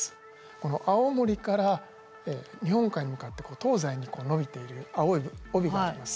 この青森から日本海に向かって東西に伸びている青い帯があります。